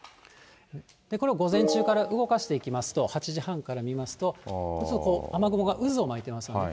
これ午前中から動かしていきますと、８時半から見ますと、雨雲が渦を巻いてますよね。